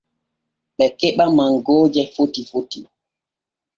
Ɓe keɓa mangooje foti foti.